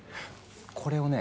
これをね